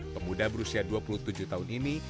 pemuda berusia dua puluh tujuh tahun ini